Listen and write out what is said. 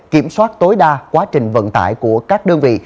kiểm soát tối đa quá trình vận tải của các đơn vị